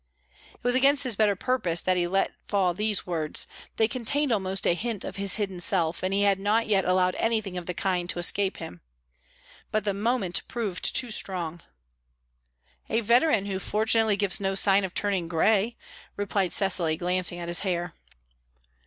It was against his better purpose that he let fall these words; they contained almost a hint of his hidden self, and he had not yet allowed anything of the kind to escape him. But the moment proved too strong. "A veteran who fortunately gives no sign of turning grey," replied Cecily, glancing at his hair.